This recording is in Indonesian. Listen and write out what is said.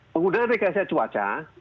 penggunaan rekayasa cuaca